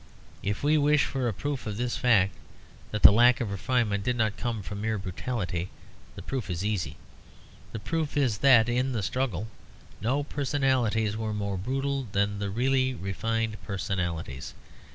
If we wish for a proof of this fact that the lack of refinement did not come from mere brutality, the proof is easy. The proof is that in that struggle no personalities were more brutal than the really refined personalities.